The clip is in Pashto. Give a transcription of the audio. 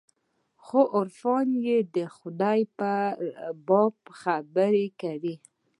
خو عرفان چې د خداى په باب خبرې کوي.